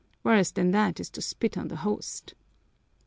Worse than that is to spit on the Host."